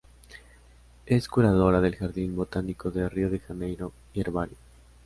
Es curadora del "Jardín Botánico de Río de Janeiro" y Herbario.